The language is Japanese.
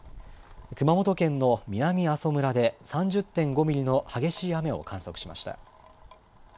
熊本県の南阿蘇村で３０．５ミリの激しい雨を観測しました。